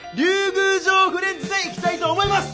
宮城フレンズでいきたいと思います！